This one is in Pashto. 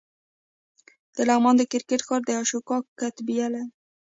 د لغمان د کرکټ ښار د اشوکا کتیبه لري